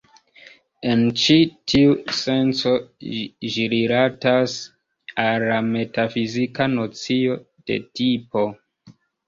En ĉi tiu senco, ĝi rilatas al la metafizika nocio de 'tipo'.